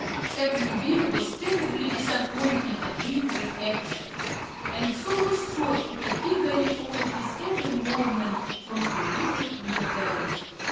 Cap'n Bill was terribly disappointed at being recaptured, and so was Trot, who had eagerly followed his every movement from her window in the palace.